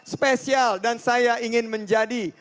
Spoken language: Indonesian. spesial dan saya ingin menjadi